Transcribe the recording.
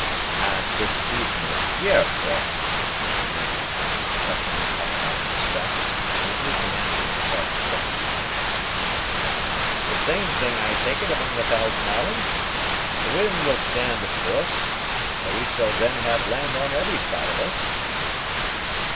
"At this season of the year, sir," the man returned, touching his hat, out of respect, to his new commander and Sergeant Dunham's connection. "The same thing, I take it, among the Thousand Islands? The wind will stand, of course, though we shall then have land on every side of us."